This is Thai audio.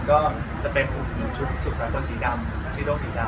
ก็จะเป็นชุดสามคนสีดำ